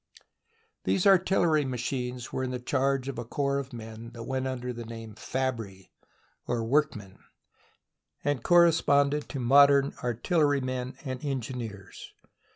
These artillery machines were in charge of a corps of men that went under the name " fabri," or workmen, and corresponded to modern artillery men and engineers.